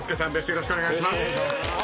よろしくお願いします。